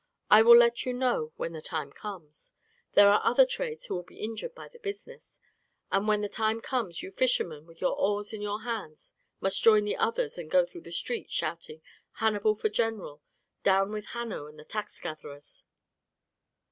I will let you know when the time comes. There are other trades who will be injured by this business, and when the time comes you fishermen with your oars in your hands must join the others and go through the streets shouting 'Hannibal for general! Down with Hanno and the tax gatherers!'"